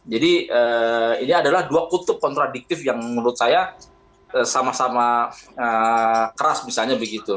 jadi ini adalah dua kutub kontradiktif yang menurut saya sama sama keras misalnya begitu